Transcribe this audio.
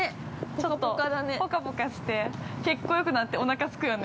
◆ちょっとぽかぽかして血行よくなって、おなかすくよね。